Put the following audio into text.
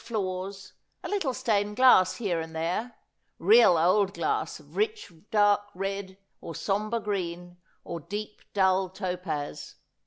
floors, a littlo stained glass here and there— real old glass, of rich dark red, or sombre green, or deep dull topaz.